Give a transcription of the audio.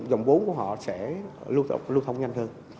dòng vốn của họ sẽ lưu thông nhanh hơn